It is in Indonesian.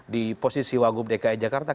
di posisi wagub dki jakarta